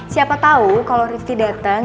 siapa tau kalo rifki datang